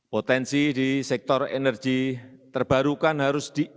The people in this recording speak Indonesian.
potensi di sektor energi terbarukan harus diingkat